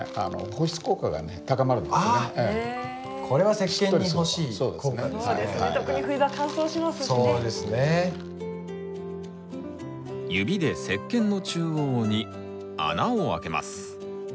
指で石けんの中央に穴をあけます。